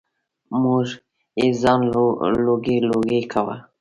مور یې ځان لوګی لوګی کاوه.